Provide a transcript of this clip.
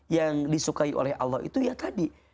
yang disukai oleh allah itu ya tadi